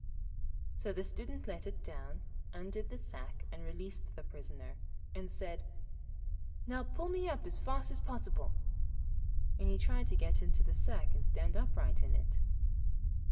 So the Student let it down, undid the sack and released the Prisoner, and said: 'Now pull me up as fast as possible'; and he tried to get into the sack and stand upright in it.